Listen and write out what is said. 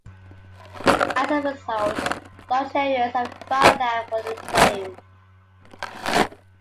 As a result, large areas of dry land were reclaimed.